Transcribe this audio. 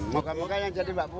muka muka yang jadi mbak puan